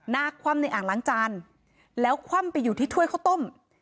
คว่ำในอ่างล้างจานแล้วคว่ำไปอยู่ที่ถ้วยข้าวต้ม